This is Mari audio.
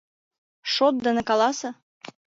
Шот дене каласе!